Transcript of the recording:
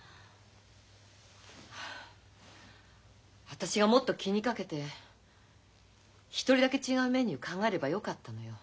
私がもっと気にかけて一人だけ違うメニュー考えればよかったのよ。